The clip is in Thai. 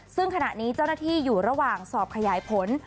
ซึ่งขณะนี้เจ้าหน้าที่อยู่ระหว่างสอบขยายผล